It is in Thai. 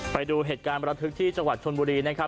ไปดูเหตุการณ์ประทึกที่จังหวัดชนบุรีนะครับ